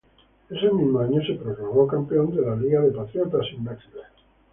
Ese mismo año se proclamó campeón de la Patriot League.